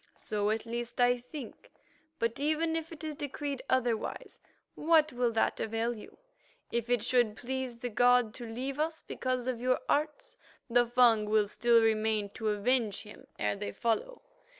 So at least I think: but even if it is decreed otherwise, what will that avail you? If it should please the god to leave us because of your arts, the Fung will still remain to avenge him ere they follow.